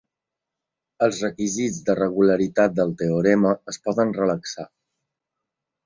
Els requisits de regularitat del teorema es poden relaxar.